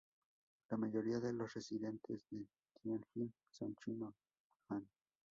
La mayoría de los residentes de Tianjin son chinos han.